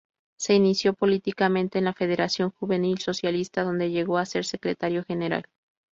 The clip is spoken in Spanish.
Se inició políticamente en la Federación Juvenil Socialista, donde llegó a ser secretario general.